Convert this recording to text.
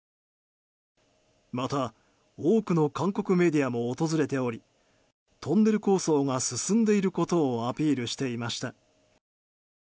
また、多くの韓国メディアも訪れておりトンネル構想が進んでいることをアピールしていました。